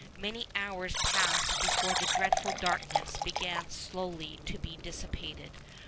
Many hours passed before the dreadful darkness began slowly to be dissipated.